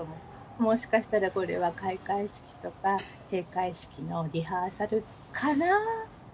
もしかしたらこれは開会式とか閉会式のリハーサルかな？